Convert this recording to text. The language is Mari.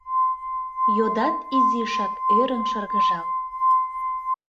Йодат изишак ӧрын-шыргыжал: